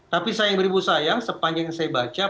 tapi sayang beribu sayang sepanjang yang saya baca